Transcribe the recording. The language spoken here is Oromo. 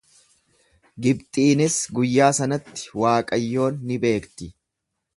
Gibxiinis guyyaa sanatti Waaqayyoon ni beekti.